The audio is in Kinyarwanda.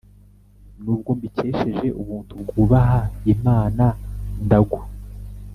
nubwo mbikesheje ubuntu bwubaha imana ndagwa,